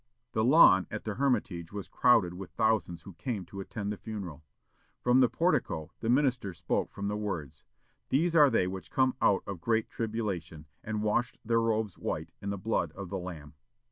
The lawn at the Hermitage was crowded with the thousands who came to attend the funeral. From the portico, the minister spoke from the words, "These are they which came out of great tribulation, and washed their robes white in the blood of the Lamb."